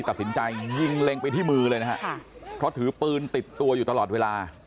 ตัดสินใจยิงเล็งไปที่มือเลยนะฮะเพราะถือปืนติดตัวอยู่ตลอดเวลา